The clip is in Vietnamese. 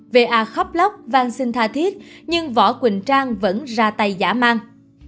va khóc lóc vang sinh tha thiết nhưng vỏ quỳnh trang vẫn ra tay giả mang